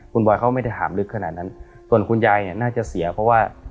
คุณบอยเขาไม่ได้ถามลึกขนาดนั้นส่วนคุณยายเนี่ยน่าจะเสียเพราะว่า